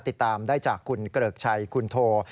ติดตามได้จากคุณเกริกชัยคุณโท